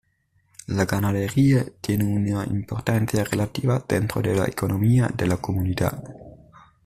La ganadería tiene una importancia relativa dentro de la economía de la Comunidad.